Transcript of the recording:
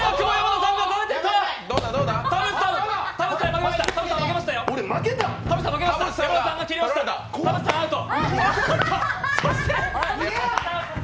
昴生さん、アウト。